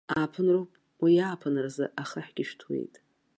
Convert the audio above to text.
Ааԥынроуп, уи ааԥынразы ахаҳәгьы шәҭуеит.